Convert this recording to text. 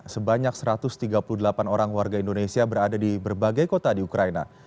sebanyak satu ratus tiga puluh delapan orang warga indonesia berada di berbagai kota di ukraina